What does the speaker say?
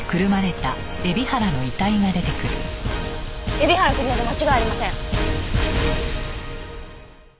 海老原邦夫で間違いありません。